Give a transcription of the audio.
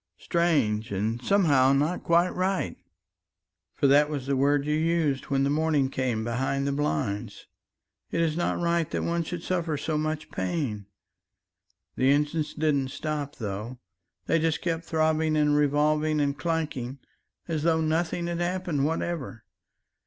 strange and somehow not quite right ... for that was the word you used when the morning came behind the blinds it is not right that one should suffer so much pain ... the engines didn't stop, though, they just kept throbbing and revolving and clanking as though nothing had happened whatever